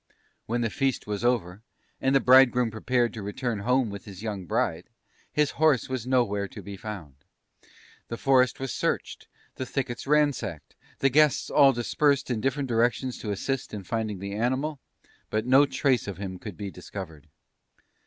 "When the feast was over, and the Bridegroom prepared to return home with his young Bride, his horse was nowhere to be found. The forest was searched, the thickets ransacked; the guests all dispersed in different directions to assist in finding the animal but no trace of him could be discovered.